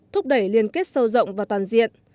thúc đẩy liên kết sâu rộng và toàn diện